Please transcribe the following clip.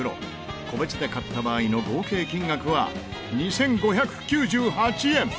個別で買った場合の合計金額は２５９８円！